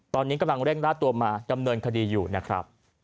ตอนนี้กำลังเร่งล่าตัวมาดำเนินคดีอยู่นะครับ